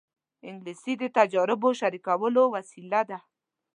انګلیسي د تجربو شریکولو وسیله ده